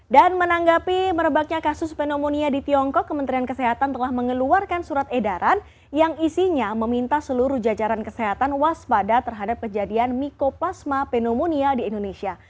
dan menanggapi merebaknya kasus pneumonia di tiongkok kementerian kesehatan telah mengeluarkan surat edaran yang isinya meminta seluruh jajaran kesehatan waspada terhadap kejadian mykoplasma pneumonia di indonesia